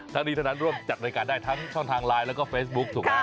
ทั้งนี้ทั้งนั้นร่วมจัดรายการได้ทั้งช่องทางไลน์แล้วก็เฟซบุ๊คถูกไหม